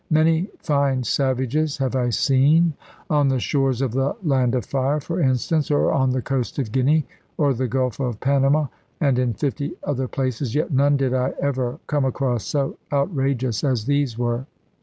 Many fine savages have I seen on the shores of the Land of Fire, for instance, or on the coast of Guinea, or of the Gulf of Panama, and in fifty other places yet none did I ever come across so outrageous as these were.